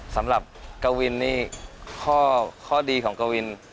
สำหรับกวินนี่ข้อดีของกวิน